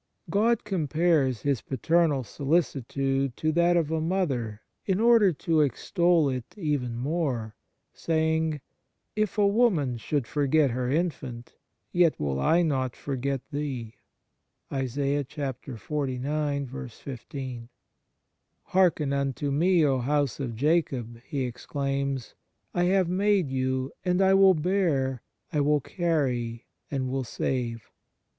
God compares His paternal solicitude to that of a mother in order to extol it even more, saying: " If a woman should forget her infant, yet will I not. forget thee." 2 " Hearken unto Me, O house of Jacob," He exclaims; " I have made you, and I will bear; I will carry, and will save."